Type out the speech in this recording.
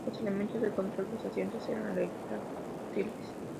Los elementos de control y los asientos eran retráctiles.